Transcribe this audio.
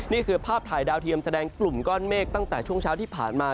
นี่คือภาพถ่ายดาวเทียมแสดงกลุ่มก้อนเมฆตั้งแต่ช่วงเช้าที่ผ่านมา